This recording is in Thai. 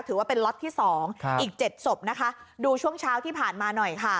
ถือว่าเป็นล็อตที่สองอีกเจ็ดศพนะคะดูช่วงเช้าที่ผ่านมาหน่อยค่ะ